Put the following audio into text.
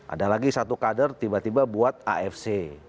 ada lagi satu kader tiba tiba buat afc